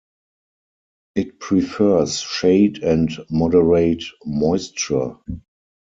It prefers shade and moderate moisture.